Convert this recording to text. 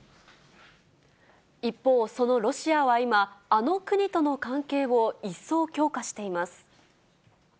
一方、そのロシアは今、あの国との関係を一層強化しています。